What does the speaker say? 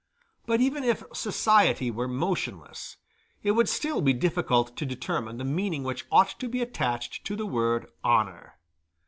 But even if society were motionless, it would still be difficult to determine the meaning which ought to be attached to the word "honor."